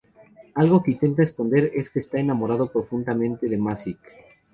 Algo que intenta esconder es que está enamorado profundamente de Masaki.